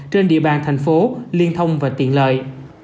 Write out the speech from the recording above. trên địa bàn thành phố liên thông và tiện lợi